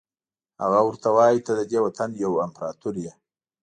هغه ورته وایي ته ددې وطن یو امپراتور یې.